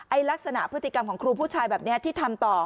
ลักษณะพฤติกรรมของครูผู้ชายแบบนี้ที่ทำต่อ